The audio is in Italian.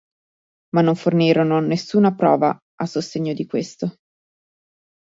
Ma non fornirono nessuna prova a sostegno di questo.